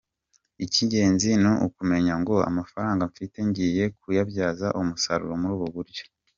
Icy’ingenzi ni ukumenya ngo amafaranga mfite ngiye kuyabyaza umusaruro muri ubu buryo.